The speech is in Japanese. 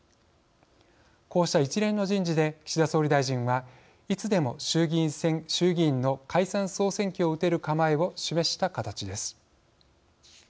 こうした一連の人事で岸田総理大臣はいつでも衆議院の解散・総選挙を打てる構えを示した形です。